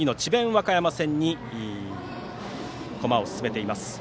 和歌山戦に駒を進めています。